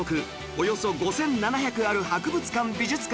およそ５７００ある博物館・美術館